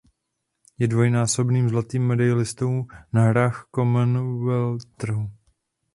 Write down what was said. Je dvojnásobným zlatým medailistou na hrách Commonwealthu.